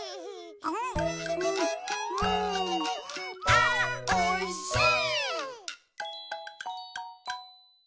「あおいしい！」